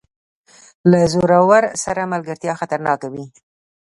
له زورور سره ملګرتیا خطرناکه وي.